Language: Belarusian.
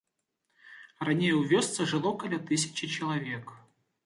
Раней у вёсцы жыло каля тысячы чалавек.